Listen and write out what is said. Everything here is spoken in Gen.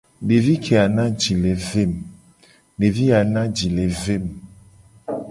Devi keya na ji le ve mu.